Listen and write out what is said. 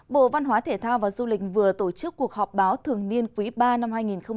bộ văn hóa thể thao và du lịch vừa tổ chức cuộc họp báo thường niên quý ba năm hai nghìn hai mươi